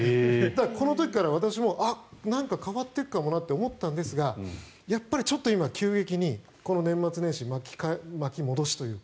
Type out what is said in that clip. この時から私もなんか変わっていくかもなって思ったんですがちょっと今、急激にこの年末年始巻き戻しというか。